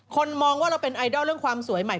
คนมองว่าเราเป็นไอดอลเรื่องความสวยใหม่